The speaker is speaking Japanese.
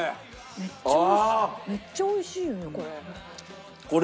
めっちゃ美味しいよねこれ。